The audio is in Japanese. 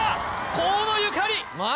河野ゆかり・マジ！？